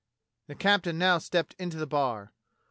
The captain now stepped into the bar.